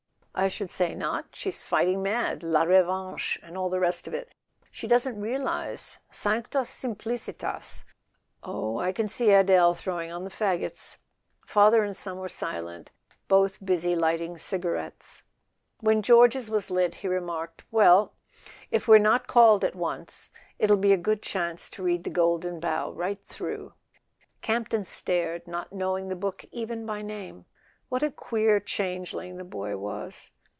I should say not: she's fighting mad. La Revanche and all the rest of it. She doesn't realize —sancta simplicitas !" "Oh, I can see Adele throwing on the faggots!" [ 72 ] A SON AT THE FRONT Father and son were silent, both busy lighting ciga¬ rettes. When George's was lit he remarked: "Well, if we're not called at once it'll be a good chance to read 'The Golden Bough' right through." Campton stared, not knowing the book even by name. WQiat a queer changeling the boy was!